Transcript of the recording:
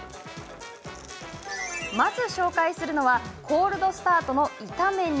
まず、紹介するのはコールドスタートの炒め煮。